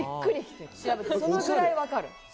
そのくらい分かる。